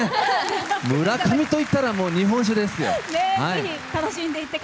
村上といったら日本酒ですよ。